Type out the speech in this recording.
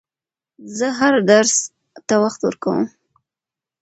زه هر درس ته وخت ورکووم.